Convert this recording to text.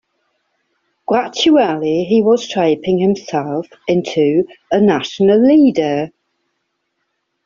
Gradually, he was shaping himself into a national leader.